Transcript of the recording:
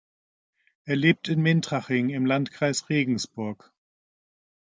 Er lebt in Mintraching im Landkreis Regensburg.